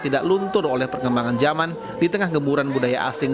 tidak luntur oleh perkembangan zaman di tengah gemburan budaya asing